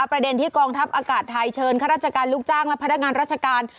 ประเด็นที่กองทัพอากาศไทยเชิญข้าราชการลูกจ้างและพนักงานราชการ